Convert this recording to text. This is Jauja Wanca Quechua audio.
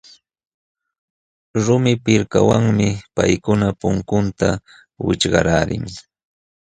Lumi pirkawanmi paykuna puntunta wićhqaqlaalin.